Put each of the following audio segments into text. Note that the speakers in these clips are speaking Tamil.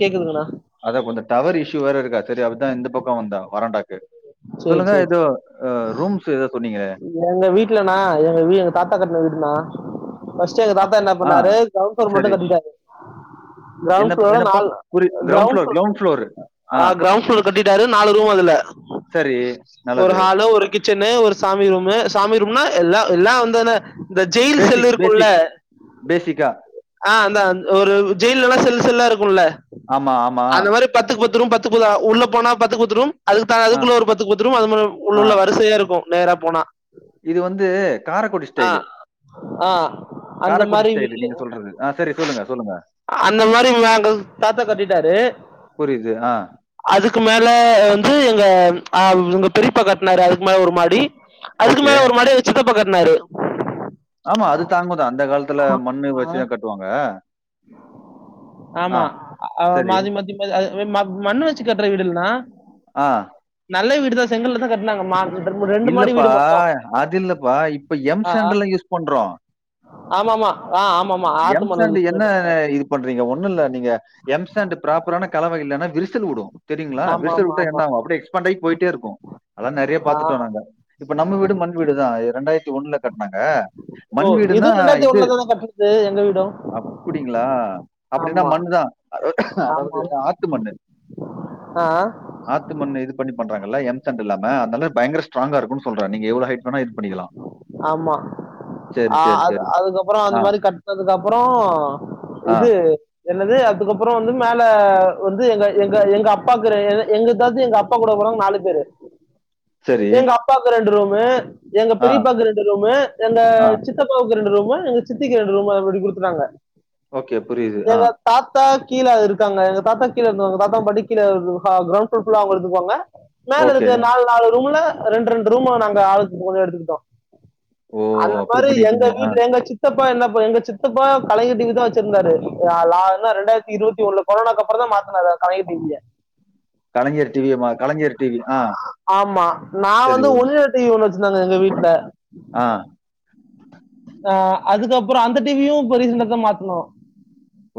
கேக்குதுங்ளா அதா கொஞ்சோ டவர் இஷ்யூ வேற இருக்கா சேரி அப்டிதா இந்த பக்கம் வந்தே வரண்டாக்கு சேரி சொல்லுங்க சேரி ஏதோ ரூம்ஸ் ஏதோ சொன்னீங்களே எங்க வீட்லனா எங்க வீ எங்க தாத்தா கட்டுன வீடுனா ஃபஸ்ட் எங்க அப் தாத்தா என்ன ஆ பண்ணாரு கவுன் ஃபிலோர் மட்டு சரி. கட்டிட்டாரு என்ன கிரௌண்ட் ஃப்ளோர் என்னப்பா நாலு புரி ground ground floor ground floor. ஆ கிரவுண்ட் ஃப்ளோர் கட்டிட்டாரு நாலு ரூம் அதுல சரி. ஒரு நல்லது. ஹாலு ஒரு கிச்சன் ஒரு சாமி ரூமு சாமி ரூம்னா எல்லா எல்லா ஒன்தானே இந்த ஜெயில் செல் பேசிக் இருக்கும்ல பேசிக் பேசிக்கா. ஆ அந்தா ஒரு ஜெயில்ல எல்லா செல்லு செல்லா இருக்கும்ல ஆமா ஆமா பத்து பத்துகு பத்து ரும் பத்து உள்ள போனா பத்து பத்துகு பத்ரும் அதுக்கு ஆ, அதுக்குள்ள ஒரு பத்து பத்துக்கு பத்துரும் அது மாரி உள்ள ஆ. வருது வரிசய இருக்கு நேர போனா இது வந்து காரக்குடி ஆ ஆ அந்த காரைக்குடி மாரி ஸ்டைல் வீடு நீங்க சொல்றது ஆ சேரி சொல்லுங்க சொல்லுங்க அந்த மாரி நாங்க தாத்தா கட்டிட்டாரு புரிது ஆ அதுக்கு மேல வந்து எங்க அ எங்க பெரிப்பா கட்னாரு அதுக்கு மேல ஒரு மாடி அதுக்கு ஓகே. மேல ஒரு மாடி எங்க சித்தப்ப கட்னாரு ஆமா அது தாங்கு தா அந்த காலத்து அந்த காலத்துல மண்ண ஆ- வச்சிதா கட்டுவாங்க ஆ ஆமா சரி. மாதி மாதி மண்ணூ வச்சு கட்ற வீடுல்லா ஆ நல்ல வீடு தா செங்கல் தா கட் இல்லப்பா அது இல்லப்பா இப்ப எம் செண்டல்லா யூஸ் பண்றோ ஆமாமா ஆ ஆமாமா ஆத்து எம் மணல் சாண்ட் யூஷ் பண் என்ன இது பண்றீங்க ஒன்னு இல்ல நீங்க எம்ஸாண்ட் ப்ராப்பரான கலவயில்லனா விரசல் விடு தெரிங்ளா ஆமா விசல் ஆமா வுட்ட ஆமா என்னாகு அப்டெ எக்ஸ்பண்ட் ஆகி போயிட்டே இருக்கு அதா நிறைய ஆ பாத்துட்டொ நாங்க இப்ப நம்ம வீடு மண் வீடுதா இரண்டாயிரத்தி ஒண்ணுல கட்னாங்க ஓ இது ரெண்டாயிரத்தி ஒண்ணுலதா கட்டுனது எங்க வீடு அப்டிங்ளா அப்டின்னா மண்ணு தா ஆமா அதாவ்து ஆமா ஆத்து மண்ணு ஆ ஆத்துமண்ணு இது பண்ணி பண்றாங்கள எம்சன் இல்லாம அதால பயங்ர ஸ்ட்ராங்கா இருக்கு சொல்ற நீங்க எவ்ள ஹட் இது பண்ணிக்லா ஆமா அ அது சரி. அதுக்கப்ற அந்த ஆ, மாரி கட்னதுக்கு அப்ற ஆ. இது என்னது அதுக்கப்ற வந்து மேல வந்து எங்க எங்க எங்க அப்பாக்கு எங்கதாது எங்க அப்பா எங்கப்பா கூட போறாங்க நாலு பேரு [inaudible] எங்க அப்பாக்கு ரெண்டு ரூமு எங்க ஆ, பெரியப்பாக்கு ரெண்டு ரூமு எங்க ஆ. சித் த்தப்பாவுக்கு ரெண்டு ரூமு எங்க சித்திக்கு ரண்டு ரூமாை அப்டி குடுத்துட்டாங்க ஓகே புரியுது ஆ எங்க தாத்தா கீழே இருக்காங்க எ தாத்தா கீழே இருந்தங்க தாத்தா பாட்டி கீழ க்ரௌண்ட் ஃபுள்ள அவங்க இருந்துப்பாங்க மேல ஓகே. இருக்க நாலு நாலு ரூம்ல ரெண்டு ரெண்டு ரூம் நாங்க ஆளுக்கு எடுத்துக்கிட்டோம் ஓ! அந்த அப்படி மாரி எங்க பண்ணிட்டீங்க. ஆ. வீட்ல எங்க சித் சித்தப்பா என்ன எங்க சித்தப்பா கலைஞர் டிவி தா வச்சிருந்தாரு ரெண்டாயிரத்தி இருவத்தி ஒண்ணுல கொரோனாக்கு அப்ற தா மாத்துனாங்க கலைஞ டீவிய கலைஞர் டிவியம்மா கலைஞர் டிவி ஆ ஆமா நா சரி. வந்து ஒனிடா டிவி ஒண்ணு வச்சிந்தாங்க எங்க வீட்ல ஆ ஆ அதுக்கப்ற அந்த டிவியு இப்ப ரிசன்டாதா மாத்னோ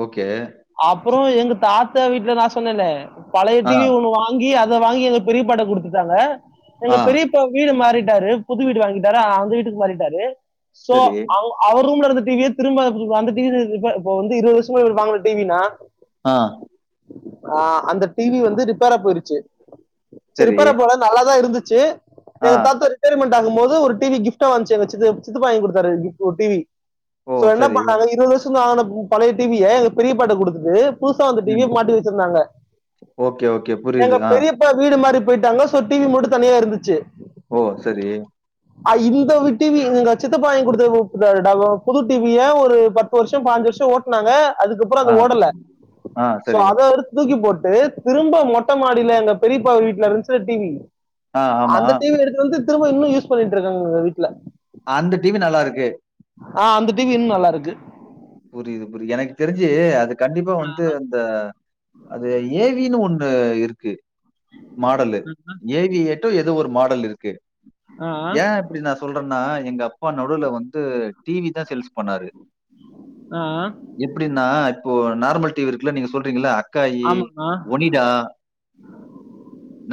ஓகே அப்ற எங்க தாத்தா வீட்ல நா சொன்னேல பழைய ஆ, டிவி ஒண்ணு வாங்க ங்கி அதை வாங்கி எங்க பெரியப்பாட்ட கொடுத்துட்டாங்க எங்க ஆ. பெரிய இப்ப வீடு மாறிட்டாரு புது வீடு வாங்கிட்டாரு அந்த வீட்டுக்கு மாறிட்டாரு சோ சரி. அவங்க அவர் ரூம்ல இருந்த டிவியே திரும்ப அந்த டிவி இப்ப வந்து இருவது வருஷமா வாங்கள டிவினா ஆ ஆ அந்த டிவி வந்து ரிப்பேரா போயிருச்சு சரி. ரிப்பேரா போல நல்லாதான் இருந்துச்சு ஆ, எங்க தாத்தா ரீட்டெயர்மெண்ட் ஆகும் போது ஒரு டிவி கிஃப்டா வாந்துச்சு எங்க சித் சித்தப்பா வாங்கி குடுத்தாரு கிப் ஒரு டிவி ஓ! சோ என்ன சரி. பண்ணாங்க இருவது வருஷம் தா ஆன பழைய டிவிய எங்க பெரியப்பாட குடுத்துட்டு புதுசா வந்த டிவிய ம். மாட்டி வச்சிருந்தாங்க ஓகே ஓகே எங்க புரியுது ஆ பெரியப்பா வீடு மாறி போயிட்டாங்க சோ டிவி மட்டு தனியா இருந்துச்சு ஓ செரி ஆ இந்த டிவி எங்க சித்தப்பா வாங்கி குடுத்த ட ப புது டிவிய ஒரு பத்து வருஷம் பன்ஞ்சு வருஷம் ஓட் னாங்க அதுக்கப்றம் அது ஆ, ஓடல ஆ. சோ சரி. அத எடுத்து தூக்கி போட்டு திரும்ப மொட்ட மாடில எங்க பெரியப்பா வீட்ல இருந்துச்சுல டிவி ஆ, ஆமா. அந்த டிவி எடுத்து எத்துட்டு வந்து திரும்ப இன்னும் யூஸ் பண்ணிட்டுருக்காங்க எங்க வீட்ல அந்த டிவி நல்லாருக்கு ஆ அந்த டிவி இன்னும் நல்லா இருக்கு புரியுது புரியது எனக்கு தெரிஞ்சு அது கண்டிப்பா வந்து அத அது ஏவின்னு ஒண்ணு இருக்கு மாடலு ஏவியேட்டோ ஏதோ ஒரு மாடல் இருக்கு ஆ ஏன் எப்டி நா சொல்றேன்னா எங்க அப்பா நடுல வந்து டிவி தா சேல்ஸ் பண்ணாரு ஆ எப்டின்னா இப்போ நார்மல் டி வி இருக்குல்ல நீங்க சொல்றீங்கள்ள காயி ஆமாண்ணா ஒனிடா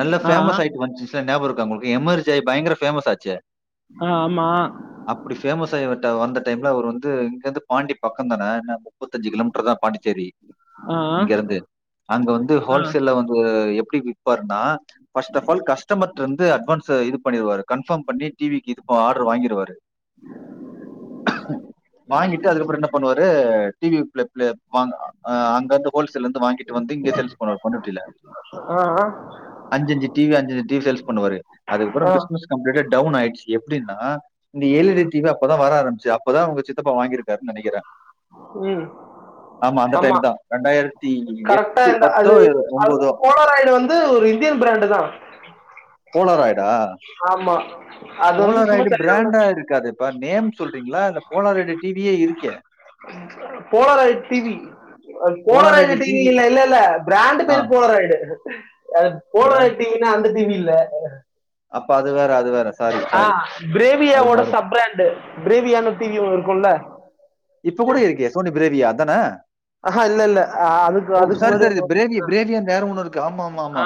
நல்லா ஆ பேமஸ் ஆயிட்டு வந்துச்சு ஞாபகம் இருக்கா உங்களுக்கு எமர்ஜ் ஆகி பயங்கர பேமஸ் ஆச்சே ஆ ஆமா அப்டி பேமஸ் ஆயிவட்ட வந்த டைம்ல அவரு வந்து இங்க இருந்து பாண்டி பக்கந்தான முப்பதஞ்சு கிலோமீட்ரு தா பாண்டிச்சேரி ஆ இங்க இருந்து அங்க வந்து ஆ ஹோல்சேல்ல வந்து எப்டி விப் விப்பார்னா ஃபர்ஸ்ட் ஆப் ஆல் கஸ்டமர்ட இருந்து அட்வான்ஸ்ச இது பண்ணிருவாரு கன்ஃபாம் பண்ணி டி விக்கு இது ஆர்டரு வாங்கிருவாரு வாங்கிட்டு அதுக்கப்புறம் என்ன பண்ணுவாரு டி வி பிளே பிளே வாங்க ஆ அங்க இருந்து ஹோல்சேல்ல இருந்து வாங்கிட்டு வந்து இங்க சேல்ஸ் பண்ணுவாரு பண்ரூட்டில ஆ அஞ்சு அஞ்சு டி வி அஞ்சு அஞ்சு டி வி சேல்ஸ் பண்ணுவாரு அதுக்கப்றோ ஆஹ் பிசினஸ் கம்பிளிட்டா டவுன் ஆயிடுச்சு எப்டின்னா இந்த L E D T V அப்ப தா வர ஆரம்பிச்சது அப்ப தா உங்க சித்தப்பா வாங்கி இருக்கு காருனு நெனக்கிறே ம் ஆமா டைம் தான் ரெண்டாயிரத்தி கரெக்டா எட்டு இல்ல பத்தோ அது ஒன்பதோ அதுவும் போலராய்டு வந்து ஒரு இந்தியன் பிராண்டு் தா போலராயிடா ஆமா அது வந்து சும்மா போலாராயிடு சைனால பிராண்டா இருக்காதே பா நேம் சொல்றீங்களா அதுல போலாராயிடு டி வியே இருக்கே Polaroid T V Polaroid Polaroid T V TV இல்ல இல்ல பிராண்ட் ஆ பேரு போலாராயிடு ஆ பிராண்ட் போலராயிடு டி வினா அந்த டி வி இல்ல அப்ப அது வேற அது வேற சாரி ஆ சாரி அது பிரேவியாவோட மாறும் சப் பிராண்டு பிரேவியான்னு டி வி ஒண்ணு இருக்குல்ல இப்ப கூட இருக்கே சோனி பிரேவியா அதானே ஆஹா இல்ல இல்ல ஆ, அதுக்கு ஓ அதுக்கு சாரி முன்னாடி சாரி இது பிரேவிய ஒன்று பிரேவிய வேற ஒண்ணு இருக்கு ஆமா ஆமா ஆமா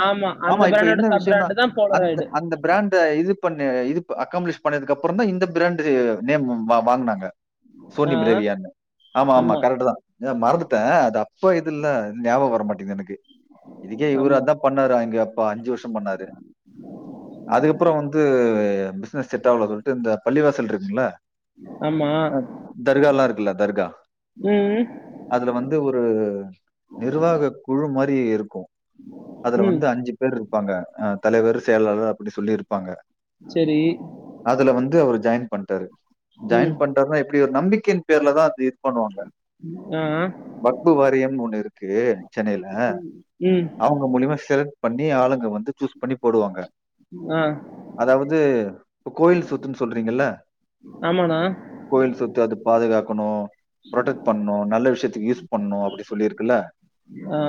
ஆமா அந்த இப்ப பிராண்டோட என்ன சப் விஷயன்னா பிராண்ட் தான் அந்த போலராய்டு அந்த பிராண்ட இது பண்ணு இது அக்காம்பலிஷ் பண்ணதுக்கு அப்பறோ தா இந்த பிராண்டு நேம் வாங்கனாங்க ஆ பிரேவியான்னு ஆமா ஆமா கரெக்ட் தா மறந்துட்டே அது அப்ப இது இல்ல ஞாபகம் வர மாட்டேங்குது எனக்கு இதுக்கே இவரா ஆமா இருந்தா பண்ணாரு அங்க அப்பா அஞ்சு வருஷோ பண்ணாரு அதுக்கப்ற வந்து பிசினஸ் செட் ஆகலன் சொல்லிட்டு இந்த பள்ளிவாசல் இருக்குல்ல ஆமா தர்காலா இருக்குல தர்கா ம் அதுல வந்து ஒரு நிர்வாக குழு மாரி இருக்கு அதுல ம் வந்து அஞ்சு பேர் இருப்பாங்க அ தலைவர் செயலாளர் அப்டி சொல்லி இருப்பாங்க செரி அதுல வந்து அவரு ஜாயின் பண்டாரு ம் ஜாயின் பண்றாருனா எப்டி ஒரு நம்பிக்கையின் பேர்லதா அது பண்ணுவாங்க ஆ பக்பு வாரியம்னு ஒண்ணு இருக்கு சென்னையில ம் அவங்க மூலியமா செலக்ட் பண்ணி ஆளுங்க வந்து சூஸ் பண்ணி போடுவாங்க ஆ அதாவது இப்ப கோயில் சொத்துன்னு சொல்றீங்கல்ல ஆமாண்ணா கோயில் சொத்து அது பாதுகாக்கணு ப்ரொடெக் பண்ணு நல்ல விஷயத்துக்கு யூஸ் பண்ணு அப்டி சொல்லிருக்குல்ல ஆ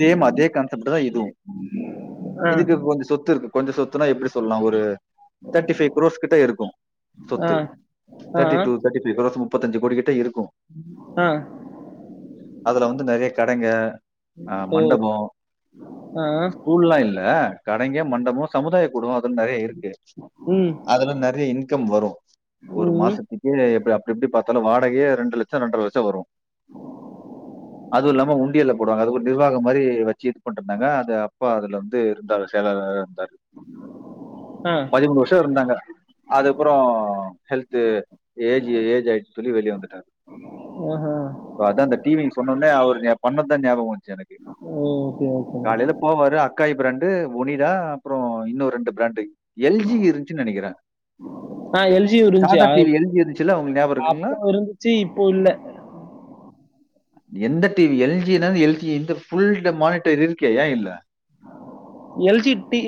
சேம் அதே கான்செப்ட் தா இதுவு ஆ இதுக்கு கொஞ்ச சொத்து இருக்கு கொஞ்ச சொத் சொத்துனா எப்டி சொல்லா ஒரு தேர்ட்டி ஃபைவ் க்ரோஸ் கிட்ட இருக்கு ஆ சொத்து ஆ தேர்டி டு தேட்டி ஃபைவ் க்ரோஸ் முப்பத்தஞ்சு கோடி கிட்ட இருக்கு ஆ அதுல வந்து நறைய கடைங்க அ ஓ மண்டபோ ஆ ஸ்கூல்லா இல்ல கடைங்க மண்டபோ சமுதாய கூடோ கொஞ் நறைய இருக்கு ம் அதுல நறைய இன்கம் வரு ஒரு ம் மாசத் துக்கே எப் அப்டி எப்டி பாத்தாலு வாடகையே ரெண்டு லட்சோ ரெண்டற லட்சோ வரு அது இல்லாம உண்டியல்ல போடுவாங்க அது ஒரு நிர்வாகம் மாரி வச்சு இது பண்ருந்தாங்க அது அப்பா அதுல வந்து இருந்தாரு செயலாளரா இருந்தாரு ஆ பதிமூணு வருஷோ இருந்தாங்க அதுகப்றோ ஹெல்த்து ஏஜி ஏஜ் ஆயிட்டு சொல்லி வெளிய வந்துட்டாரு ஆஹா சோ அதா அந்த டிவினு சொன்னோனே அவரு பண்ணது தா ஞாபகோ வஞ்ச்சு எனக்கு ஓகே ஓகே காலையில போவாரு அக்காய் பிராண்டு ஒனிடா அப்றோ இன்னு ரெண்டு பிராண்டு எல்ஜி இருன்ச்சுனு நனைக்கற ஆ எல்ஜி இருந்துச்சு சாதா அது டிவி எல்ஜி இந்துச்சுல்ல உங்கள்கு ஞாபோ இருக்குங்ளா அப்போ இருந்துச்சு, இப்போ இல்ல. எந்த டி வி எல் ஜினா எல் ஜி இந்த ஃபுல் த மானிட்டர் இருக்கே ஏ இல்ல எல் ஜி டி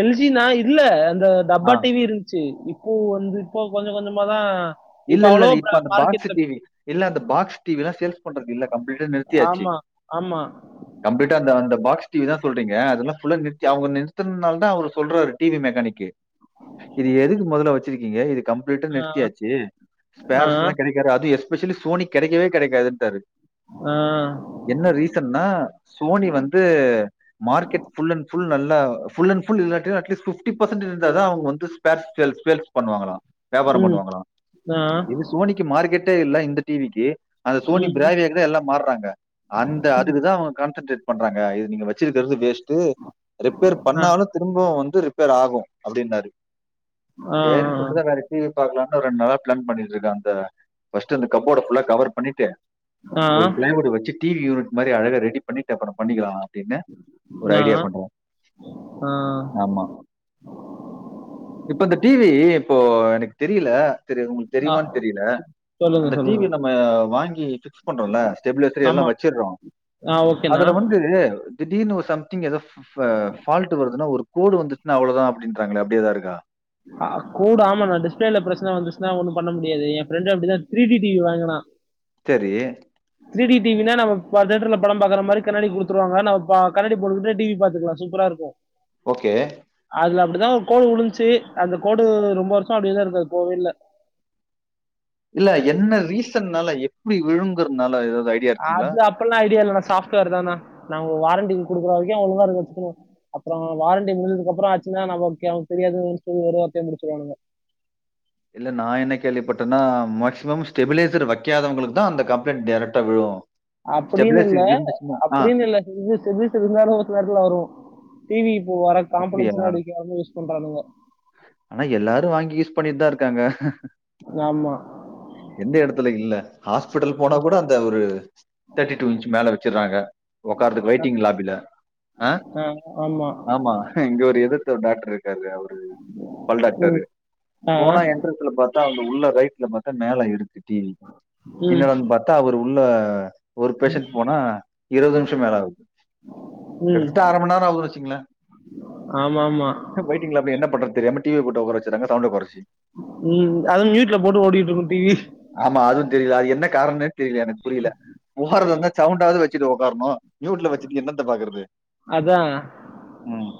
எல் ஜினா இல்ல அந்த ஆ. டப்பா டி வி இரு ச்சி இப்போ வந்து இப்போ கொஞ்ச கொஞ்சமாதா இல்ல இல்ல இப்ப அந்த பாக்ஸ் டி வி இல்ல அந்த பாக்ஸ் டி வி எல்லா சேல்ஸ் பண்றது இல்ல கம்ப்ளீட்டா நிறுத்தியாச்சு ஆமா, ஆமா கம்ப்ளீட்டா அந்த அந்த பாக்ஸ் டி வி தா சொல்றீங்க அதெல்லா ஃபுல்லா நிறுத்தி அவுங்க நிறுத்தன்னால தா அவுரு சொல்றாரு டி வி மெக்கானிகக்கு இது எதுக்கு மொதல வச்சிருக்கீங்க இது கம்ப்ளீட்டா ஆ, நிறுத்தியாச்சு ஆ, ஸ்பேர்ஸ்ல்லா கெடைக்காது அதுவு எஸ்பெஷலி சோனி கெடைக்கவே கெடைக்காதுன்ட்டாரு ஆ என்ன ரீசன்னா சோனி வந்து மார்க்கெட் ஃபுல் அண் ஃபுல் நல்லா ஃபுல் அண் ஃபுல் இல்லாட்டி அட்லீஸ்ட் ஃபிஃப்டி பர்சன்ட் இருந்தாதா அவுங்க வந்து ஸ்பேர்ஸ் சேல்ஸ் சேல்ஸ் பண்ணுவாங்களா வியாபார ம். பண்ணுவாங்களா ஆ சோனிக்கு மார்க்கெட்டே இல்ல இந்த டி விக்கு அந்த சோனி ம். பிராவ்யாக்தா எல்லா மாறாங்க அந்த அதுக்குதா அவுங்க கான்சன்ட்ரேட் பண்றாங்க இது நீங்க வச்சிருக்கிறது வேஸ்ட்டு ரிப்பேர் ஆ. பண்ணாலு திரும்பவு வந்து ரிப்பேர் ஆகு அப்டின்னாரு ஆ. சேரின் சொல்லிட்டுதா வேற டி வி பாக்கலான்னு ரெண்டு நாளா பிளான் பண்ணிட்ருக்க அந்த ஃபஸ்ட்டு அந்த கப்போர்ட ஃபுல்லா கவர் பண்ணிட்டு ஆ. ஒரு பிளேவுட் வச்சு டி வி யூனிட் மாரி அழகா ரெடி பண்ணிட்டு அப்பறோ பண்ணிக்கலா அப்டின்னு ஒரு ஆ. ஐடியா பண்ற ஆ. ஆமா இப்ப இந்த டி வி இப்போ எனக்கு தெரியல தெரியாது உங்களுக்கு ஆ. தெரியுமான்னு தெரில சொல்லுங்க, அந்த டி சொல்லுங்க. வி நம்ம வாங்கி ஃபிக்ஸ் பண்றோல்ல ஸ்டெப்லைசர் ஆமா. எல்லா வச்சுடுறோ ஆ ஓகேண்ணா. அதுல வந்து திடீர்னு ஒரு சம்திங் ஏதோ ஃப் ஃபால்ட் வருதுன்னா ஒரு கோடு வந்துச்சுன்னா அவ்ளோதா அப்டின்றாங்களே அப்டி ஏதா இருக்கா அ் கூடு ஆமாண்ணா டிஸ்பிளேல பிரச்சன வந்துச்சன்னா ஒண்ணு பண்ண முடியாது எய ஃப்ரெண்ட் அப்டி தா த்ரீ டி டிவி வாங்குனா சரி த்ர டி டிவினா நம்ப பா தேட்டர்ல்ல படம் பாக்குற மாதிரி கண்ணாடி குத்துருவாங்க நம்ம கண்ணாடி போட்டுக்கிட்டு டிவி பாத்துக்கலா சூப்பரா இருக்கும் ஓகே அதுல அப்டிதா ஒரு கோடு உழுந்துச்சு அந்த கோடு ரொம்ப வருஷ அப்டியேதா இருக்கு அது போவே இல்ல இல்ல என்ன ரீசன்னால எப்டி விழுங்கறதுனால ஏதாவது ஐடியா இருக்குங்களா? அது அப்டில்லா ஐடியா இல்லன்னா சாப்ட்வேர் தாண்ணா உ வாரண்டி கொடுக்குற வரைக்கும் ஒழுங்கா இருந்து வச்சுக்கணும் அப்பற வாரண்டி முடிஞ்சதுக்குப்பற ஆச்சுன்னா நம்ம ஓகே அவங்க தெரியாதுன்னு சொல்லி ஒருவார்த்தைல்ல முடிச்சுருவானுங்க இல்ல நா என்ன கேள்விப்பட்டன்னா மேக்சிமம் ஸ்டெபிலைசர் வைக்காதவங்களுக்கு தா அந்த கம்ப்ளைண்டட் டைரக்டா விழு அப்டின்னு இல்ல அப்டின்னு இல்ல இது ஸ்டேபிலைசர் இருந்தாலும் ஒரு சில நேரத்துல வரும் டிவி இப்ப வர அப்படியா? கான்போனட்ன்ஸ்லாம அடிக்காத யூஸ் பண்றான்னுங்க ஆனா எல்லாரு வாங்கி யூஸ் பண்ணிட்டுதா இருக்காங்க ஆமா எந்த இடத்துல இல்ல ஹாஸ்பிட்டல் போனா கூட அந்த ஒரு தேர்ட்டி டூ இன்ச் மேல வச்சுடுறாங்க உட்காரருதுக்கு வெயிட்டிங் லாபியில ஆ ஆமா ஆமா இங்க ஒரு எதிர்க்க ஒரு டாக்டர் இருக்காரு அவரு பல் டாக்டரு ம் ஆ போனா சுற்றத்துள்ளா பாத்தா அங்க உள்ள ரைட்ல பார்த்தா மேல இருக்கு டிவி ம் என்னடான்னு பாத் தா அவரு உள்ள ஒரு பேஷண்டட் போனா இருபது நிமிஷ மேல ஆகுது கிட்டத்தட்ட அர ம நேர ஆகுது வச்சுங்கள ஆமா ஆமா வெயிட்டிங்கள அப்டி என்ன பண்றதுன்னு தெரியாம டிவி போட்டு உக்கார வச்சிறாங்க சவுண்ட குறச்சு ம் அதுவும் மியூட்ல போட்டு ஓடிக்கிட்டு இருக்கும் டிவி ஆமா அதுவு தெரில அது என்ன காரணமே தெரில எனக்கு புரில போடுறதா இருந்தா சவுண்டாவுது வச்சுட்டு உக்காரணு மியூ்ட்ல வச்சுட்டு என்னத்த பாக்குறது அதா ம்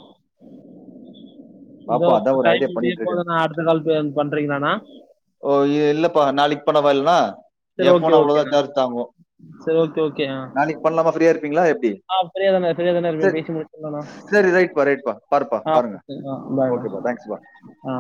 பார்ப்போம். அதான் [unintelligible] ஒரு டைம் ஐடியா பண்ணிட்டு முடிய இருக்கேன். போதுண்ணா அடுத்த கால் பண்றீங்களாண்ணா ஓ இ இல்லப்பா நாளைக் பண்ணவா இல்னா சரி எய ஓகே, போன் அவ்ளோதா ஓகேண்ணா. சார்ஜ் தாங்கு சரி ஓகே, ஓகே. ஆ. நாளைக் பண்லாமா ஃப்ரீயாருப்பீங்களா எப்டி ஆ ஃப்ரீயா தானே ஃப்ரீயா தானே இருப்பேன். செர் பேசி முடிச்சிடலாண்ணா. செரி ரைட் பா ரைட் பா பாருபா ஆ பாருங்க ஓகே. ஆ பாய்ண்ணா. ஓகே பா தேங்க்ஸ் பா ஆ